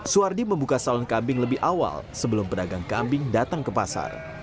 suwardi membuka salon kambing lebih awal sebelum pedagang kambing datang ke pasar